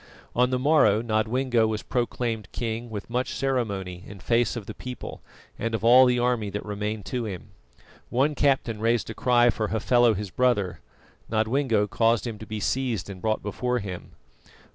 On the morrow Nodwengo was proclaimed king with much ceremony in face of the people and of all the army that remained to him. One captain raised a cry for Hafela his brother. Nodwengo caused him to be seized and brought before him.